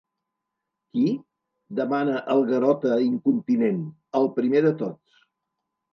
Qui? —demana el Garota, incontinent; el primer de tots.